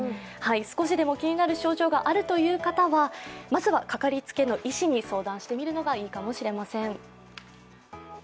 少しでも気になる症状があるという方はまずはかかりつけの医師に相談してみるのがいいかもしれません。